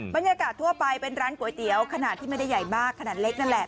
บรรยากาศทั่วไปเป็นร้านก๋วยเตี๋ยวขนาดที่ไม่ได้ใหญ่มากขนาดเล็กนั่นแหละ